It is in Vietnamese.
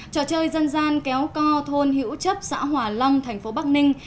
trò chơi dân gian kéo co thôn hữu chấp xã hòa long thành phố bắc ninh